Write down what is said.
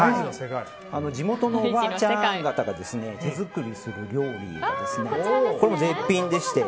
地元のおばあちゃん方が手作りする料理が絶品でして。